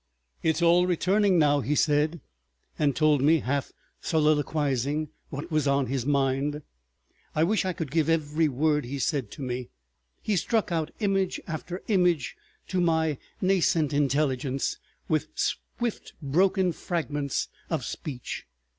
"It's all returning now," he said, and told me half soliloquizingly what was in his mind. I wish I could give every word he said to me; he struck out image after image to my nascent intelligence, with swift broken fragments of speech.